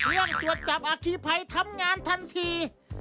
ร่วมตรวจจับอาคีภัยทำงานทันที